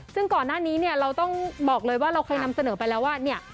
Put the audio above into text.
ซึ่งก่อนหน้านี้เนี่ยเราต้องบอกเลยว่าเราเคยนำเสนอไปแล้วว่าเนี่ย